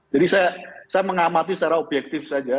jadi saya mengamati secara objektif saja